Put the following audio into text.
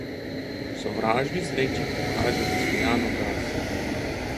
Sovražni sreči pokaži nasmejan obraz.